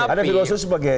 ada filosofi sebagai